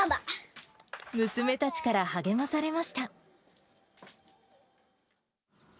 娘たちから励まされました。